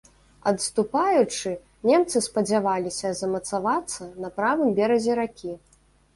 Адступаючы, немцы спадзяваліся замацавацца на правым беразе ракі.